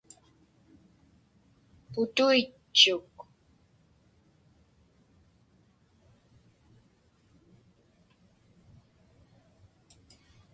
Putuitchuq.